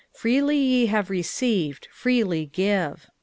"Freely ye have received, freely give."